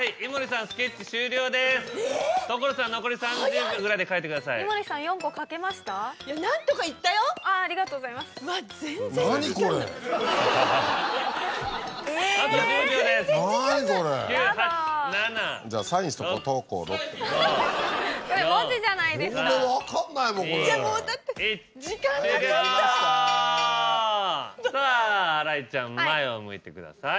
さぁ新井ちゃん前を向いてください。